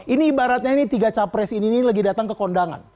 ini ibaratnya ini tiga capres ini lagi datang ke kondangan